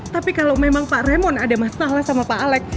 tapi kalau memang pak remon ada masalah sama pak alex